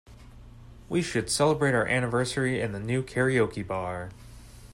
We should celebrate our anniversary in the new karaoke bar.